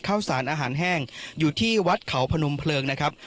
ข้าวสารอาหารแห้งอยู่ที่วัดเขาพนมเพลิงนะครับ